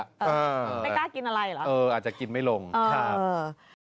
เออไม่กล้ากินอะไรเหรอเอออาจจะกินไม่ลงครับเออ